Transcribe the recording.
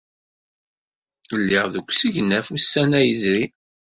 Lliɣ deg usegnaf ussan-a yezrin.